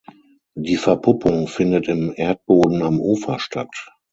Die Verpuppung findet im Erdboden am Ufer statt.